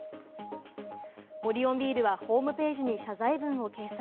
オリオンビールはホームページに謝罪文を掲載。